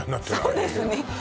そうですね